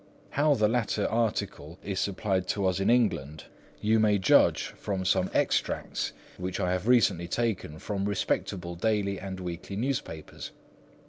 How the latter article is supplied to us in England, you may judge from some extracts which I have recently taken from respectable daily and weekly newspapers.